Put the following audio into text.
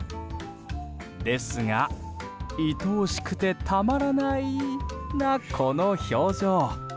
ですが、いとおしくてたまらないな、この表情。